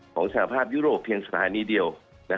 สหภาพยุโรปเพียงสถานีเดียว